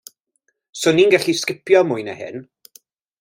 'Swn i'n gallu sgipio mwy na hyn.